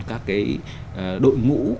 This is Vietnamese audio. các cái đội ngũ